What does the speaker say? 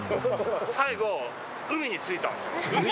最後、海に着いたんですよ。